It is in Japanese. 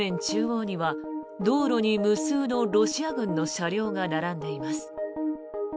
中央には道路に無数のロシア軍の車両が並んでいます。